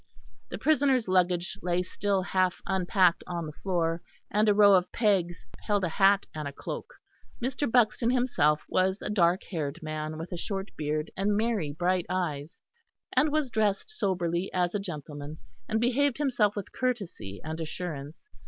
The prisoner's luggage lay still half unpacked on the floor, and a row of pegs held a hat and a cloak. Mr. Buxton himself was a dark haired man with a short beard and merry bright eyes; and was dressed soberly as a gentleman; and behaved himself with courtesy and assurance.